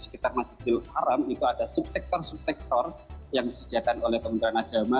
di jum'at dan masjid aram itu ada subsektor subsektor yang disediakan oleh kementerian agama